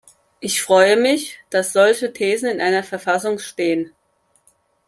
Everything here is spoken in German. Ich freue mich, dass solche Thesen in einer Verfassung stehen.